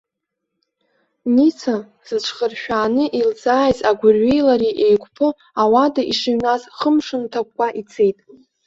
Ница зыҽхыршәааны илзааиз агәырҩеи лареи еиқәԥо ауада ишыҩназ, хымш нҭакәкәа ицеит.